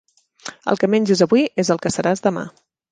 El que menges avui, és el que seràs demà.